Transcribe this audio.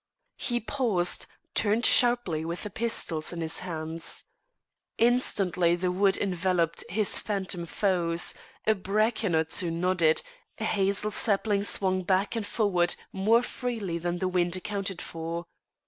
He paused, turned sharply with the pistols in his hands. Instantly the wood enveloped his phantom foes; a bracken or two nodded, a hazel sapling swung back and forward more freely than the wind accounted for.